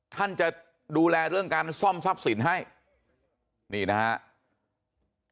ท่านจะดูแลเรื่องการซ่อมทรัพย์สินให้นี่นะครับ